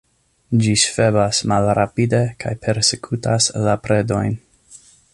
Ĝi ŝvebas malrapide kaj persekutas la predojn.